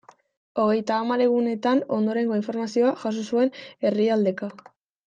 Hogeita hamar egunetan ondorengo informazioa jaso zuen herrialdeka.